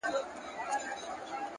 د انسان ذهن د ژوند مرکز دی!